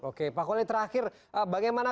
oke pak koli terakhir bagaimana